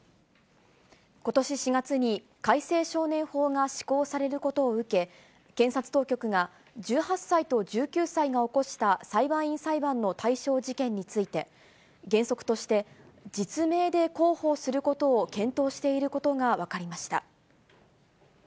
ことし４月に、改正少年法が施行されることを受け、検察当局が１８歳と１９歳が起こした裁判員裁判の対象事件について、原則として実名で広報することを検討していることが分かりました。